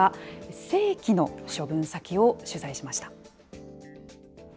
正規の処分先を取材しました。